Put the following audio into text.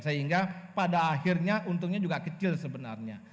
sehingga pada akhirnya untungnya juga kecil sebenarnya